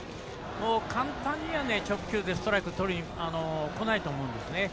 簡単には直球でストライクをとりにこないと思うんですね。